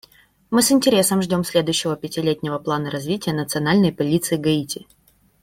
Мы с интересом ждем следующего пятилетнего плана развития Национальной полиции Гаити.